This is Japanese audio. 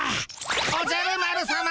おじゃる丸さま。